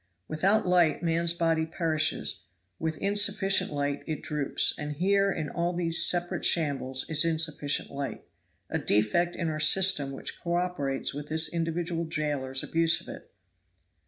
Without light man's body perishes, with insufficient light it droops; and here in all these separate shambles is insufficient light, a defect in our system which co operates with this individual jailer's abuse of it.